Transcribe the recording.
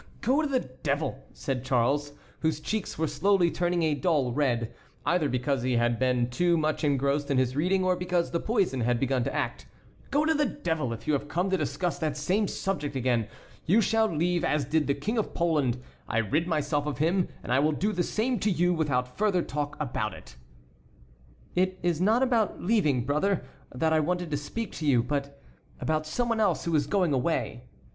"Go to the devil!" said Charles, whose cheeks were slowly turning a dull red, either because he had been too much engrossed in his reading or because the poison had begun to act. "Go to the devil! If you have come to discuss that same subject again, you shall leave as did the King of Poland. I rid myself of him, and I will do the same to you without further talk about it." "It is not about my leaving, brother, that I want to speak to you, but about some one else who is going away.